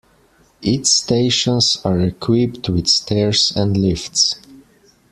Its stations are equipped with stairs and lifts.